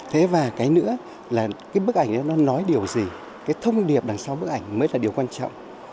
thế và cái nữa là cái bức ảnh đó nó nói điều gì cái thông điệp đằng sau bức ảnh mới là điều quan trọng